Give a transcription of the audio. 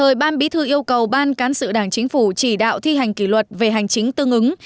thời ban bí thư yêu cầu ban cán sự đảng chính phủ chỉ đạo thi hành kỷ luật về hành chính tương ứng